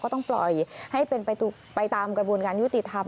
ต้องปล่อยให้เป็นไปตามกระบวนการยุติธรรม